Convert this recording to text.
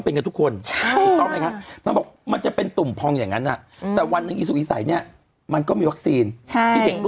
มันก็ติดกันได้น่ะติดเราย้อนกลับไปสิอิสุอิสัยมันติดกันได้น่ะ